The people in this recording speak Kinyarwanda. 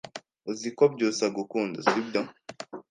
Uzi ko Byusa agukunda, sibyo?